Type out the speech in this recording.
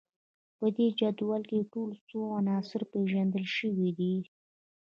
په دې جدول کې ټول څو عناصر پیژندل شوي دي